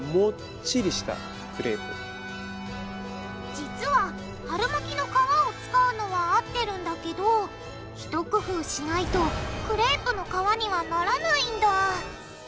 実は春巻きの皮を使うのは合ってるんだけどひと工夫しないとクレープの皮にはならないんだ！